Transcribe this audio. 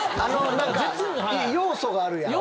何か要素があるやん。